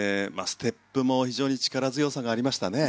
ステップも非常に力強さがありましたね。